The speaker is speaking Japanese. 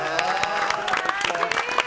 すばらしい。